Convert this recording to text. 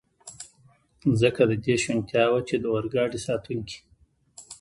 ځکه د دې شونتیا وه، چې د اورګاډي ساتونکي.